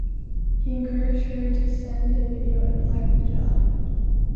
He encouraged her to send a video and apply for the job.